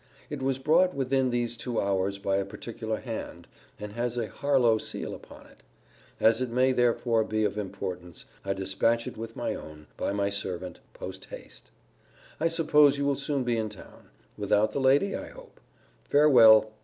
It was brought within these two hours by a particular hand, and has a Harlowe seal upon it. As it may therefore be of importance, I dispatch it with my own, by my servant, post haste.* * This letter was from Miss Arabella Harlowe. See Let. LV. I suppose you will soon be in town. Without the lady, I hope. Farewell.